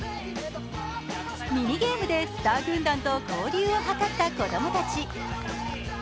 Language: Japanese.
ミニゲームでスター軍団と交流を図った子供たち。